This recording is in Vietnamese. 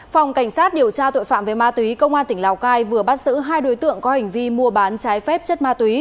phòng cảnh sát điều tra tội phạm về ma túy công an tỉnh lào cai vừa bắt giữ hai đối tượng có hành vi mua bán trái phép chất ma túy